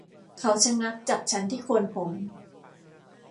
เขาชะงักจับฉันที่โคนผม